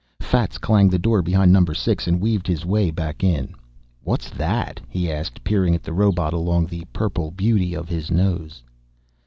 Fats clanged the door behind number six and weaved his way back in. "What's that?" he asked, peering at the robot along the purple beauty of his nose.